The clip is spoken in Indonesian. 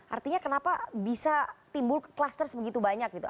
artinya kenapa bisa timbul kluster sebegitu banyak gitu